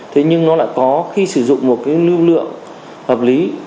thế nhưng nó lại có khi sử dụng một cái lưu lượng hợp lý